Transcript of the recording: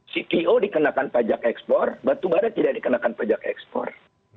cpo dikenakan pajak ekspor batubara tidak dikenakan pajak ekspor